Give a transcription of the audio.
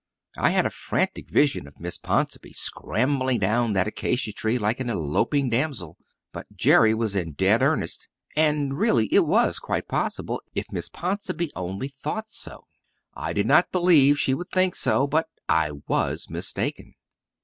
I had a frantic vision of Miss Ponsonby scrambling down that acacia tree like an eloping damsel. But Jerry was in dead earnest, and really it was quite possible if Miss Ponsonby only thought so. I did not believe she would think so, but I was mistaken.